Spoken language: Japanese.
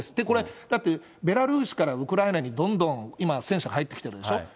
これ、だって、ベラルーシからウクライナにどんどん今、戦車が入ってきてるでしょ。